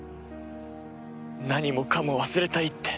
何もかも忘れたいって。